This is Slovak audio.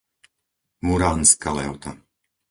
Muránska Lehota